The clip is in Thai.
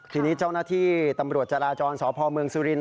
ทีนี้เจ้าหน้าที่ตำรวจจราจรสพเมืองสุรินท